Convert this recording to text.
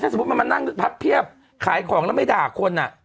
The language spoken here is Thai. ถ้าสมมุตินั่งเข้าพักเพลียบขายของแล้วไม่ด่าคนอะ